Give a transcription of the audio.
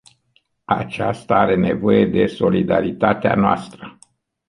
Aceasta are nevoie de solidaritatea noastră.